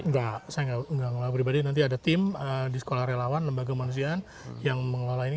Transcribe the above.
enggak saya enggak ngelola pribadi nanti ada tim di sekolah relawan lembaga kemanusiaan yang mengelola ini